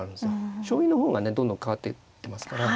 将棋の方がねどんどん変わっていってますから。